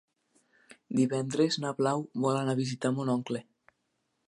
Divendres na Blau vol anar a visitar mon oncle.